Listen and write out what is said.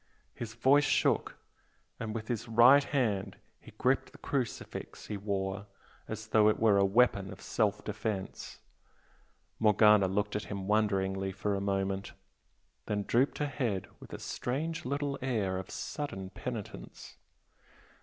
His voice shook and with his right hand he gripped the crucifix he wore as though it were a weapon of self defence. Morgana looked at him wonderingly for a moment, then drooped her head with a strange little air of sudden penitence.